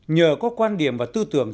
nhờ có quan điểm và tư tưởng